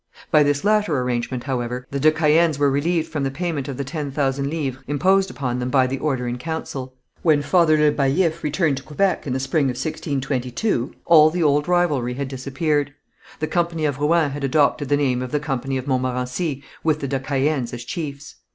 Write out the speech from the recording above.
By this latter arrangement, however, the de Caëns were relieved from the payment of the ten thousand livres imposed upon them by the order in council. When Father Le Baillif returned to Quebec in the spring of 1622, all the old rivalry had disappeared. The Company of Rouen had adopted the name of the Company of Montmorency with the de Caëns as chiefs.